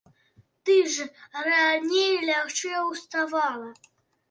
Ты ж раней лягчэй уставала.